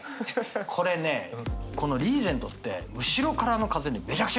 これねこのリーゼントって後ろからの風にめちゃくちゃ弱いわけ。